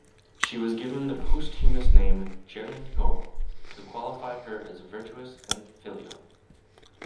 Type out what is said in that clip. She was given the posthumous name "Jeonghyo" to qualify her as virtuous and filial.